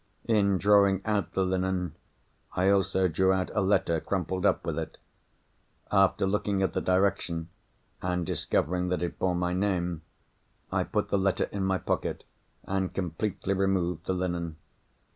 In drawing out the linen, I also drew out a letter crumpled up with it. After looking at the direction, and discovering that it bore my name, I put the letter in my pocket, and completely removed the linen.